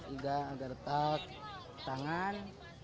iga agak retak tangan